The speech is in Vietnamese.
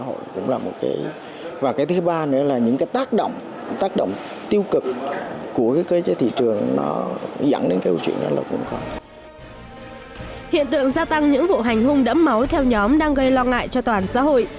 hiện tượng gia tăng những vụ hành hung đẫm máu theo nhóm đang gây lo ngại cho toàn xã hội